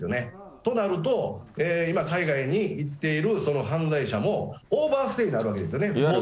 となると、今、海外に行っている犯罪者も、オーバーステイになるわけですよね。